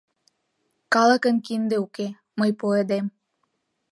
— Калыкын кинде уке, мый пуэдем.